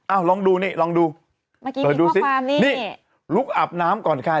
อ้าวลองดูนี่ลองดูเดินดูสินี่ลุกอาบน้ำก่อนค่ะ